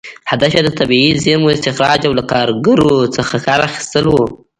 هدف یې د طبیعي زېرمو استخراج او له کارګرو څخه کار اخیستل و.